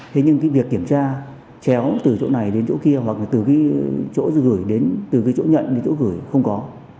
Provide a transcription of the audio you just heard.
thế nhưng cái việc kiểm tra chéo từ chỗ này đến chỗ kia hoặc là từ cái chỗ gửi đến từ cái chỗ nhận đến chỗ gửi không có